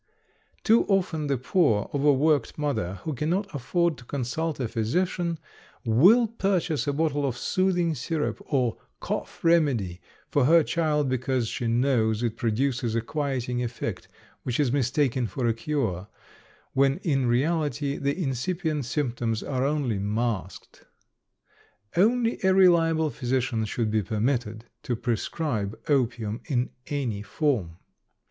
Too often the poor, overworked mother, who cannot afford to consult a physician, will purchase a bottle of "soothing syrup" or "cough remedy" for her child because she knows it produces a quieting effect, which is mistaken for a cure, when in reality the incipient symptoms are only masked. Only a reliable physician should be permitted to prescribe opium in any form.